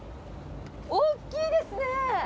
おっきいですね！